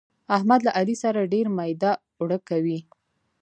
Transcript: احمد له علي سره ډېر ميده اوړه کوي.